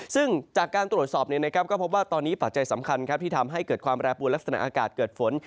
ซึ่งจากการตรวจสอบก็พบว่าตอนนี้ปัจจัยสำคัญที่ทำให้เกิดความแปรปวดลักษณะอากาศเกิดฝน